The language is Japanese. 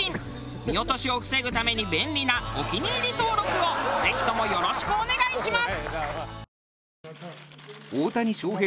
見落としを防ぐために便利なお気に入り登録をぜひともよろしくお願いします。